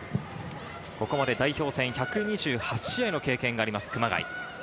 代表戦１２８試合の経験があります熊谷。